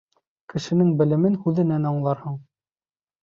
Кешенең белемен һүҙенән аңларһың.